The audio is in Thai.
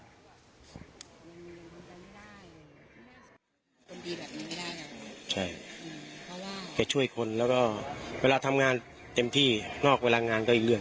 เราไม่ได้คนดีแบบนี้ไม่ได้ใช่เค้าช่วยคนแล้วก็เวลาทำงานเต็มที่นอกเวลางานก็อีกเรื่อง